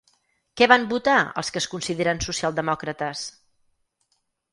Què van votar els que es consideren socialdemòcrates?